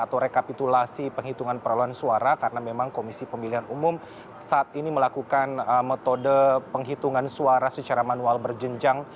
atau rekapitulasi penghitungan perolahan suara karena memang komisi pemilihan umum saat ini melakukan metode penghitungan suara secara manual berjenjang